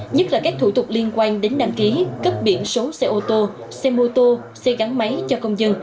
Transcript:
nhất là các thủ tục liên quan đến đăng ký cấp biển số xe ô tô xe mô tô xe gắn máy cho công dân